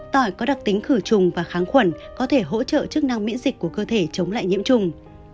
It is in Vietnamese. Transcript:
tỏi có đặc tính khử trùng và kháng khuẩn có thể hỗ trợ chức năng miễn dịch của cơ thể chống lại nhiễm trùng